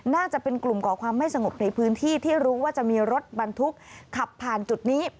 น่าจะเป็นกลุ่มก่อความไม่สงบในพื้นที่ที่รู้ว่าจะมีรถบรรทุกขับผ่านจุดนี้